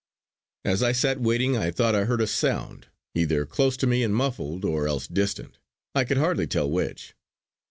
As I sat waiting I thought I heard a sound, either close to me and muffled, or else distant; I could hardly tell which.